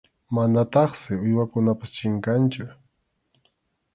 Manataqsi uywakunapas chinkanchu.